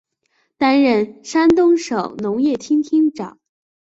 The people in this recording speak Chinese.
担任山东省农业厅厅长。